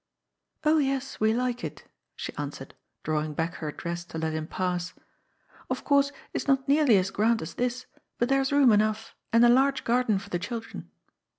*'" Oh yes, we like it," she answered, drawing back her dress to let him pass. ^' Of course it is not nearly as grand as this, but there is room enough, and a large garden for the children."